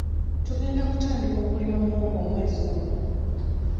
Tugenda kutandika okulima muwogo omwezi guno.